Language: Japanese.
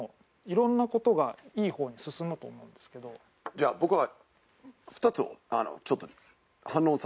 じゃあ僕は。